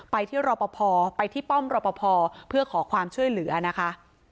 ไปที่รอปภไปที่ป้อมรอปภเพื่อขอความช่วยเหลือนะคะ